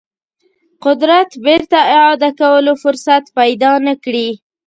قدرت بیرته اعاده کولو فرصت پیدا نه کړي.